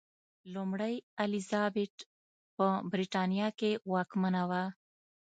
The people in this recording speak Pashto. لومړۍ الیزابت په برېټانیا کې واکمنه وه.